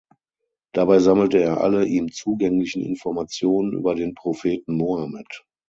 Dabei sammelte er alle ihm zugänglichen Informationen über den Propheten Mohammed.